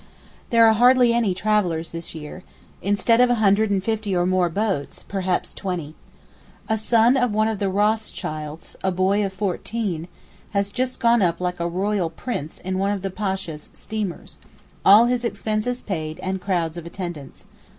There are hardly any travellers this year, instead of a hundred and fifty or more boats, perhaps twenty. A son of one of the Rothschilds, a boy of fourteen, has just gone up like a royal prince in one of the Pasha's steamers—all his expenses paid and crowds of attendants.